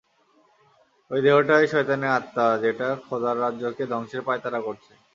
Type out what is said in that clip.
অই দেহটাই শয়তানের আত্মা যেটা খোদার রাজ্যকে ধ্বংসের পাঁয়তারা করছে!